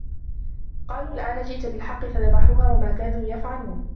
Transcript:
ۚ قَالُوا الْآنَ جِئْتَ بِالْحَقِّ ۚ فَذَبَحُوهَا وَمَا كَادُوا يَفْعَلُونَ